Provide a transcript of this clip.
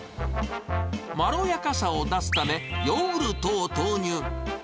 まろやかさを出すため、ヨーグルトを投入。